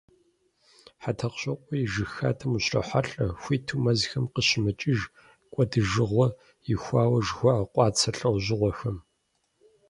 ХьэтӀохъущокъуэм и жыг хадэм ущрохьэлӀэ хуиту мэзхэм къыщымыкӀыж, кӀуэдыжыгъуэ ихуауэ жыхуаӀэ къуацэ лӀэужьыгъуэхэм.